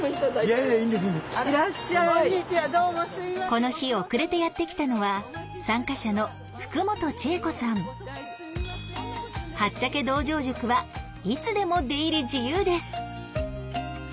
この日遅れてやって来たのは「はっちゃけ道場宿」はいつでも出入り自由です。